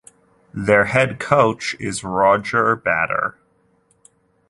Their head coach is Roger Bader.